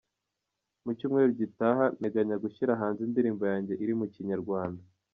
Mu cyumweru gitaha, nteganya gushyira hanze indirimbo yanjye iri mu Kinyarwanda.